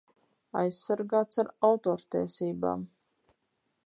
Aizsargāts ar autortiesībām